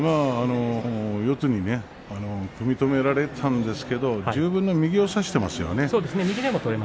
四つに組み止められたんですけれど十分の右を差していますよね。